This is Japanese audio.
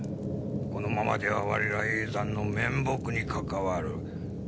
このままでは我ら叡山の面目に関わる。